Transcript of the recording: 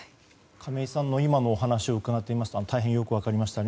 亀井さんのお話を伺っていますと大変よく分かりました。